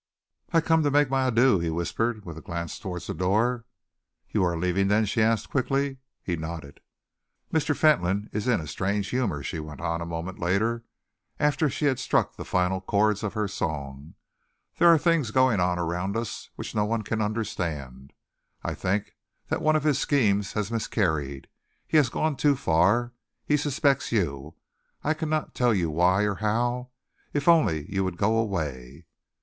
"I come to make my adieux," he whispered, with a glance towards the door. "You are leaving, then?" she asked quickly. He nodded. "Mr. Fentolin is in a strange humour," she went on, a moment later, after she had struck the final chords of her song. "There are things going on around us which no one can understand. I think that one of his schemes has miscarried; he has gone too far. He suspects you; I cannot tell you why or how. If only you would go away!"